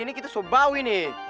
ini kita subawi nih